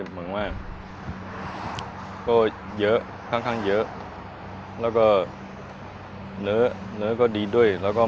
pembangunan durian ekspor